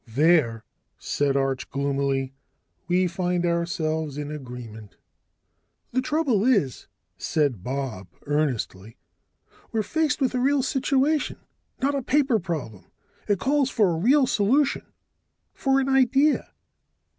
"There," said Arch gloomily, "we find ourselves in agreement." "The trouble is," said Bob earnestly, "we're faced with a real situation, not a paper problem. It calls for a real solution. For an idea."